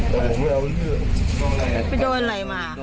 ไปโดนอะไรมา